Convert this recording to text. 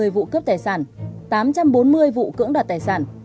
sáu trăm ba mươi vụ cướp tài sản tám trăm bốn mươi vụ cưỡng đoạt tài sản